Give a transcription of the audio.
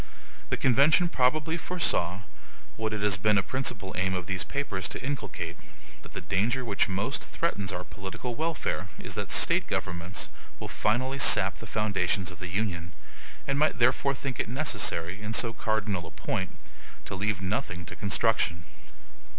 The Convention probably foresaw, what it has been a principal aim of these papers to inculcate, that the danger which most threatens our political welfare is that the State governments will finally sap the foundations of the Union; and might therefore think it necessary, in so cardinal a point, to leave nothing to construction.